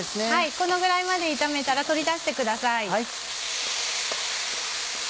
このぐらいまで炒めたら取り出してください。